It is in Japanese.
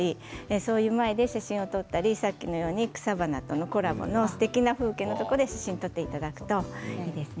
その前で写真を撮ったり草花とのコラボもすてきな雰囲気のところ写真を撮っていただくといいですね。